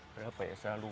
berapa ya saya lupa